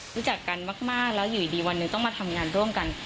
รู้จักกันมากแล้วอยู่ดีวันหนึ่งต้องมาทำงานร่วมกัน